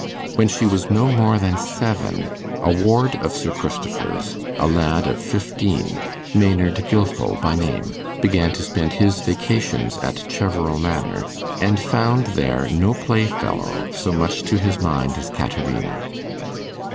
When she was no more than seven, a ward of Sir Christopher's a lad of fifteen, Maynard Gilfil by name began to spend his vacations at Cheverel Manor, and found there no playfellow so much to his mind as Caterina.